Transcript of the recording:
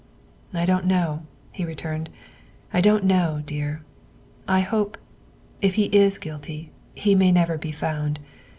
" I don't know," he returned, " I don't know, dear. I hope, if he is guilty, he may never be found.